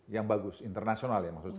yang bagus internasional ya